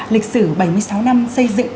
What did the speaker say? lịch sử bảy mươi sáu năm xây dựng